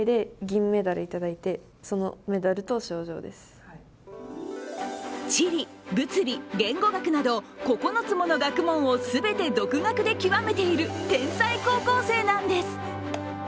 実は地理・物理・言語学など９つもの学問を全て独学で究めている天才高校生なんです。